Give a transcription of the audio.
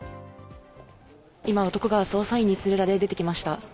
今、男が捜査員に連れられ出てきました。